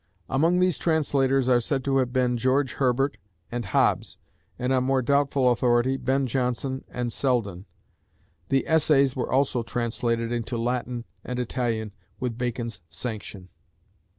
Among these translators are said to have been George Herbert and Hobbes, and on more doubtful authority, Ben Jonson and Selden. The Essays were also translated into Latin and Italian with Bacon's sanction.